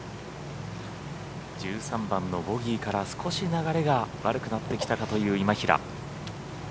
１３番ノーボギーから少し流れが悪くなってきたかという今平。